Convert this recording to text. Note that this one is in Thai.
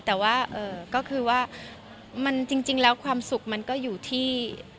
แต่ว่าก็คือว่ามันจริงแล้วความสุขมันก็อยู่ที่